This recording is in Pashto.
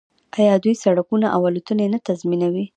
آیا دوی سړکونه او الوتنې نه تنظیموي؟